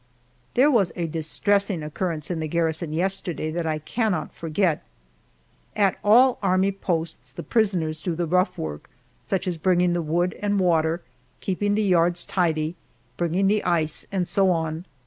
There was a distressing occurrence in the garrison yesterday that I cannot forget. At all army posts the prisoners do the rough work, such as bringing the wood and water, keeping the yards tidy, bringing the ice, and so on.